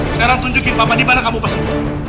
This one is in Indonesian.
sekarang tunjukin papa di mana kamu pasung dia